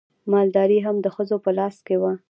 مالداري هم د ښځو په لاس کې وه.